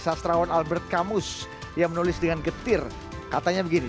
sastrawan albert kamus yang menulis dengan getir katanya begini